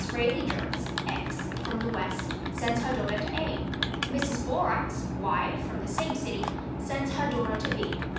Raleigh Jones (X), from the West, sends her daughter to A; Mrs. Borax (Y), from the same city, sends her daughter to B.